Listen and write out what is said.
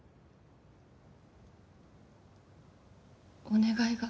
お願いが。